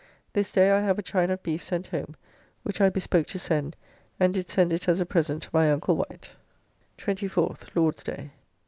This day I have a chine of beef sent home, which I bespoke to send, and did send it as a present to my uncle Wight. 24th (Lord's day).